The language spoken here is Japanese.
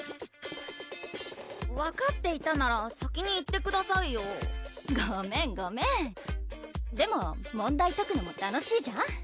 分かっていたなら先に言ってくださいよごめんごめんでも問題とくのも楽しいじゃん？